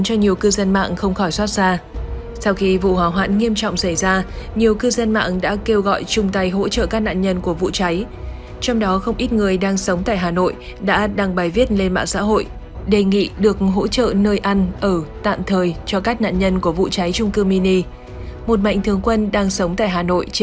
nhu yếu phẩm cho các nạn nhân trong vụ cháy trung cư mini ở số ba mươi bảy ngách hai mươi chín